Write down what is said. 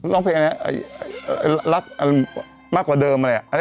รองเพลงนี้รักอะไรมากกว่าเดิมอะไรแหละ